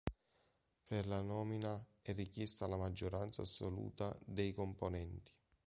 Per la nomina è richiesta la maggioranza assoluta dei componenti.